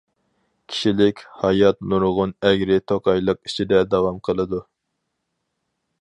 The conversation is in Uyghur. كىشىلىك ھايات نۇرغۇن ئەگرى توقايلىق ئىچىدە داۋام قىلىدۇ.